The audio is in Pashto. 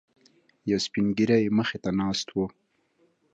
یو سپینږیری یې مخې ته ناست و.